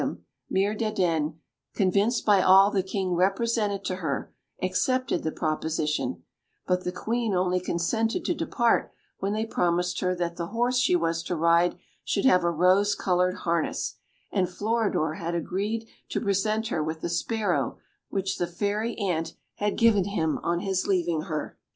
Mirdandenne, convinced by all the King represented to her, accepted the proposition; but the Queen only consented to depart when they promised her that the horse she was to ride should have a rose coloured harness, and Floridor had agreed to present her with the sparrow which the fairy Ant had given him on his leaving her.